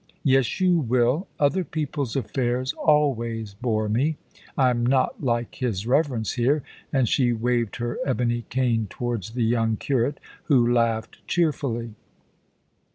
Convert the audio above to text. "Yes, you will. Other people's affairs always bore me. I am not like his reverence here," and she waved her ebony cane towards the young curate, who laughed cheerfully.